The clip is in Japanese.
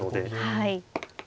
はい。